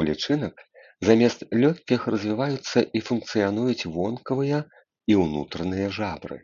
У лічынак замест лёгкіх развіваюцца і функцыянуюць вонкавыя і ўнутраныя жабры.